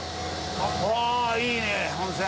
ああいいね帆船。